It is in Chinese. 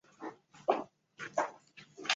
对微分形式的积分是微分几何中的基本概念。